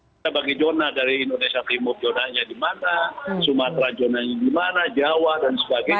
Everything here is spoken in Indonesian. kita bagi zona dari indonesia timur zonanya di mana sumatera zonanya di mana jawa dan sebagainya